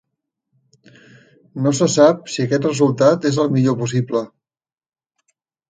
No se sap si aquest resultat és el millor possible.